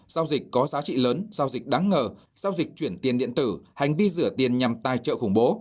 giao dịch có giá trị lớn giao dịch đáng ngờ giao dịch chuyển tiền điện tử hành vi rửa tiền nhằm tài trợ khủng bố